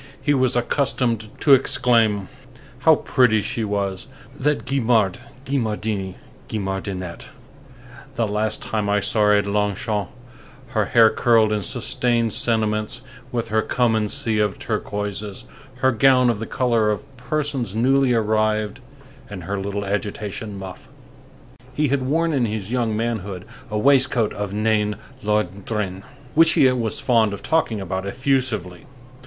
He was accustomed to exclaim: "How pretty she was—that Guimard Guimardini Guimardinette, the last time I saw her at Longchamps, her hair curled in sustained sentiments, with her come and see of turquoises, her gown of the color of persons newly arrived, and her little agitation muff!" He had worn in his young manhood a waistcoat of Nain Londrin, which he was fond of talking about effusively.